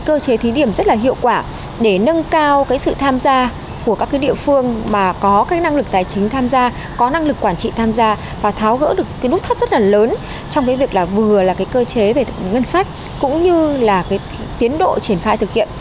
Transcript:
cơ chế thí điểm rất là hiệu quả để nâng cao sự tham gia của các địa phương mà có năng lực tài chính tham gia có năng lực quản trị tham gia và tháo gỡ được nút thắt rất là lớn trong việc vừa là cơ chế về ngân sách cũng như tiến độ triển khai thực hiện